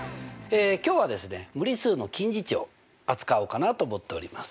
今日はですね無理数の近似値を扱おうかなと思っております。